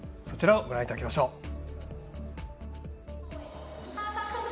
そちらをご覧いただきましょう。